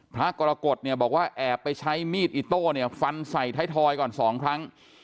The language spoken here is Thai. พระกรกฎบอกว่าแอบไปใช้มีดอิตโต้ฝันใส่ไททอยก่อนสองครั้ง